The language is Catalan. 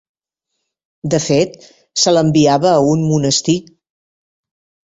De fet, se l'enviava a un monestir.